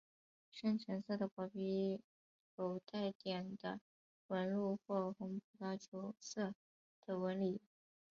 深橙色的果皮有带点的纹路或红葡萄酒色的纹理。